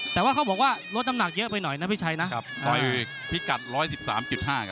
แต่ว่าเขาบอกว่าลดน้ำหนักเยอะไปหน่อยนะพี่ชัยนะครับต่อยพิกัดร้อยสิบสามจุดห้าครับ